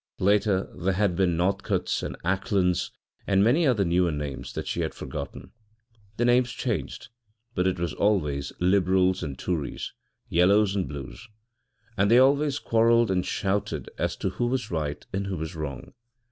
Later there had been Northcotes and Aclands, and many other newer names that she had forgotten; the names changed, but it was always Libruls and Toories, Yellows and Blues. And they always quarrelled and shouted as to who was right and who was wrong.